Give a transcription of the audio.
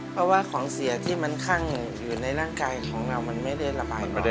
เพราะว่าของเสียที่มันคั่งอยู่ในร่างกายของเรามันไม่ได้ระบายไปเลย